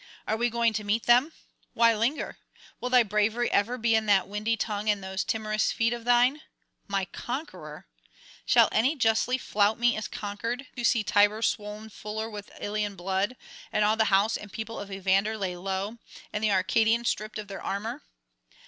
Are we going to meet them? Why linger? Will thy bravery ever be in that windy tongue and those timorous feet of thine? ... My conqueror? Shall any justly flout me as conquered, who sees Tiber swoln fuller with Ilian blood, and all the house and people of Evander laid low, and the Arcadians stripped of their armour?